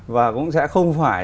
và cũng sẽ không phải